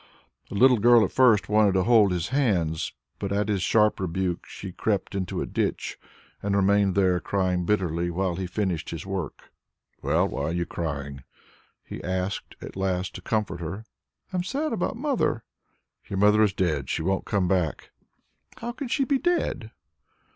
The little girl at first wanted to hold his hands, but at his sharp rebuke she crept into a ditch and remained there crying bitterly, while he finished his work. "Well, why are you crying?" he asked at last to comfort her. "I am sad about mother." "Your mother is dead; she won't come back." "How can she be dead?"